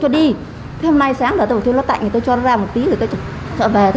cho đúng quyết định của pháp luật